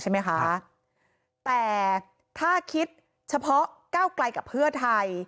ใช่ไหมคะแต่ถ้าคิดเฉพาะก้าวไกลกับเพื่อไทย